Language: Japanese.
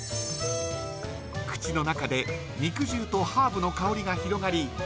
口の中で肉汁とハーブの香りが広がり